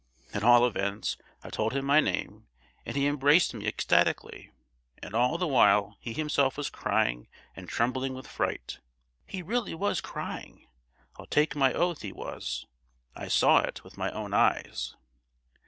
At all events, I told him my name, and he embraced me ecstatically; and all the while he himself was crying and trembling with fright. He really was crying, I'll take my oath he was! I saw it with my own eyes.